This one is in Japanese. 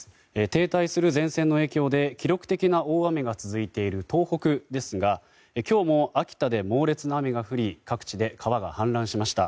停滞する前線の影響で記録的な大雨が続いている東北ですが、今日も秋田で猛烈な雨が降り各地で川が氾濫しました。